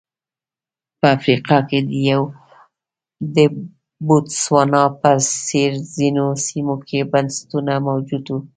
په افریقا کې د بوتسوانا په څېر ځینو سیمو کې بنسټونه موجود وو.